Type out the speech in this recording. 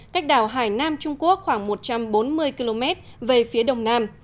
cách đảo hải nam trung quốc khoảng một trăm bốn mươi km về phía đông nam